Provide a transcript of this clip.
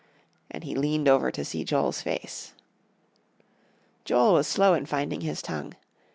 And he leaned over to see Joel's face. Joel was slow in finding his tongue.